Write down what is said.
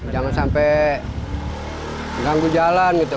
jangan sampai mengganggu jalan gitu